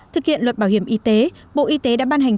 thực hiện luật bảo hiểm y tế bộ y tế đã ban hành